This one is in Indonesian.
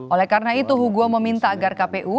oleh karena itu hugo meminta agar kpu